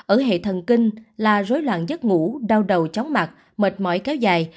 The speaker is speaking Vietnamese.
ở hệ thần kinh là rối loạn giấc ngủ đau đầu chóng mặt mệt mỏi kéo dài